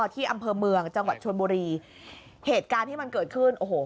ที่อำเภอเมืองจังหวัดชนบุรีเหตุการณ์ที่มันเกิดขึ้นโอ้โห